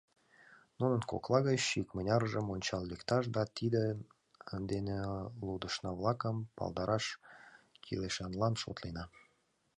Нунын кокла гыч икмыняржым ончал лекташ да тидын дене лудшына-влакым палдараш кӱлешанлан шотлена.